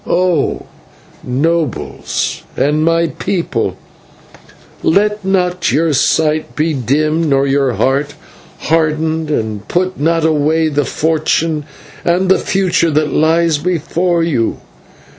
Oh! nobles, and my people, let not your sight be dimmed nor your heart hardened, and put not away the fortune and the future that lies before you.